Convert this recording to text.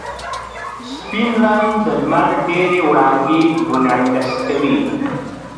سپین رنګ د لمر ډېرې وړانګې منعکس کوي.